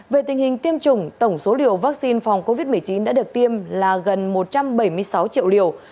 về tình hình tiêm chủng tổng số liều vaccine phòng covid một mươi chín đã được tiêm là gần một trăm bảy mươi sáu triệu liều